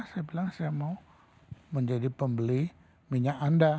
saya bilang saya mau menjadi pembeli minyak anda